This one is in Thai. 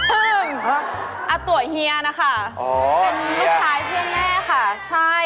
อื้มตัวเฮียนะคะเป็นลูกชายเพียงแม่ค่ะใช่